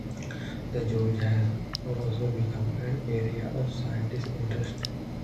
The gorge has also become an area of scientific interest.